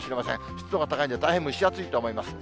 湿度が高いんで、大変蒸し暑いと思います。